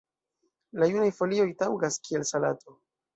La junaj folioj taŭgas kiel salato.